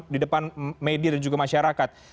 di depan media dan juga masyarakat